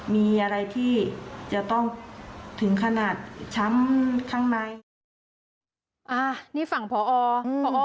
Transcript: มีอะไรที่จะต้องถึงขนาดช้ำข้างในอ่านี่ฝั่งพออืมพอ